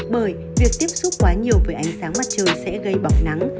bởi việc tiếp xúc quá nhiều với ánh sáng mặt trời sẽ gây bỏng nắng